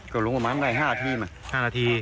กลงประมาณใกล้๕นาทีนะครับ๕นาที